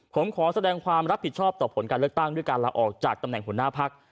ผมขอแสดงความรับผิดชอบต่อผลการเลือกตั้งด้วยการลาออกจากตำแหน่งหัวหน้าพัก